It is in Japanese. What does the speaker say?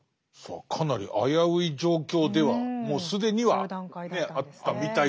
かなり危うい状況ではもう既にはあったみたいですけど。